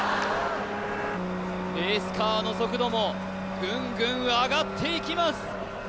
レースカーの速度もぐんぐん上がっていきます